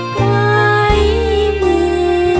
ใครเหมือน